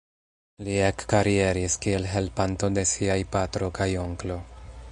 Li ekkarieris kiel helpanto de siaj patro kaj onklo.